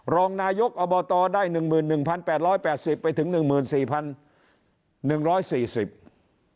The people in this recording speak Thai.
รองนายกอบตได้๑๑๘๘๐บาทไปถึง๑๔๑๔๐บาท